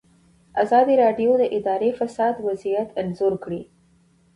ازادي راډیو د اداري فساد وضعیت انځور کړی.